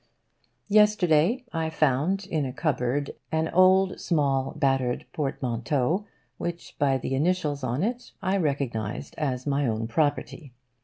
Yesterday I found in a cupboard an old, small, battered portmanteau which, by the initials on it, I recognised as my own property.